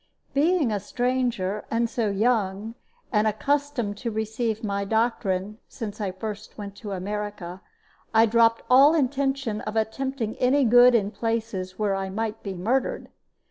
Being a stranger, and so young, and accustomed to receive my doctrine (since first I went to America), I dropped all intention of attempting any good in places where I might be murdered.